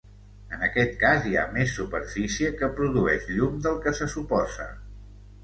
En aquest cas, hi ha més superfície que produeix llum del que se suposa.